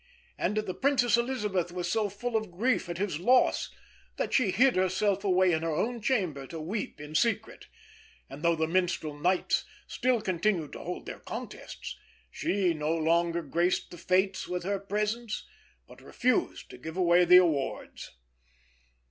And the Princess Elisabeth was so full of grief at his loss that she hid herself away in her own chamber to weep in secret; and though the minstrel knights still continued to hold their contests, she no longer graced the fêtes with her presence, but refused to give away the awards.